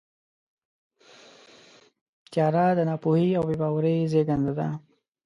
تیاره د ناپوهۍ او بېباورۍ زېږنده ده.